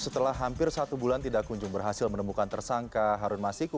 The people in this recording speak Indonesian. setelah hampir satu bulan tidak kunjung berhasil menemukan tersangka harun masiku